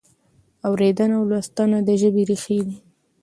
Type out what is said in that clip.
اورېدنه او لوستنه د ژبې ریښې دي.